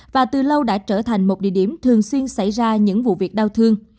và từ lâu đã trở thành một địa điểm thường xuyên xảy ra những vụ việc đau thương